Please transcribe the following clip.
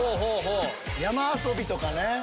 山遊びとかね。